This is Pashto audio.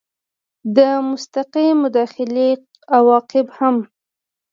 د مستقیې مداخلې عواقب هم